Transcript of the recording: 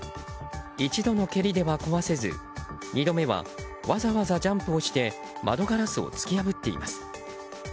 １度の蹴りでは壊せず２度目はわざわざジャンプをして窓ガラスを突き破っています。